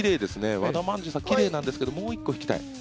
和田まんじゅうさん、きれいなんですけど、もう１個引きたい。